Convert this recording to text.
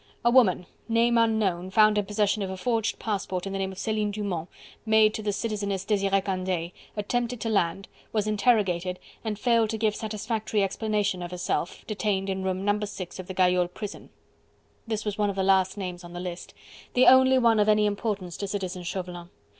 "A woman name unknown found in possession of a forged passport in the name of Celine Dumont, maid to the Citizeness Desiree Candeille attempted to land was interrogated and failed to give satisfactory explanation of herself detained in room No. 6 of the Gayole prison." This was one of the last names on the list, the only one of any importance to Citizen Chauvelin.